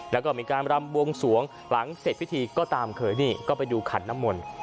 แล้วก็มีการรำบวงสวงหลังเสร็จพิธีก็ตามเคยนี่ก็ไปดูขันน้ำมนต์